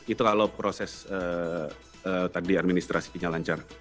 itu kalau proses tadi administrasinya lancar